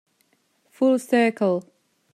Full circle